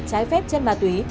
trái phép trên ma túy